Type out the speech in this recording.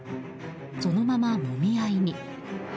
そのまま、もみ合いに。